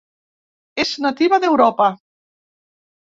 És nativa d'Europa.